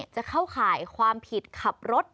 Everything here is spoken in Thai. จะเข้าข่ายความผิดขับรถ